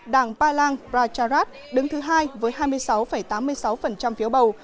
đảng pha lang pracharat đứng thứ hai với hai mươi sáu tám mươi sáu phiếu bầu